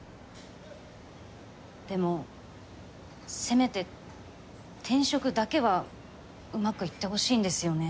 でもせめて転職だけはうまくいってほしいんですよね。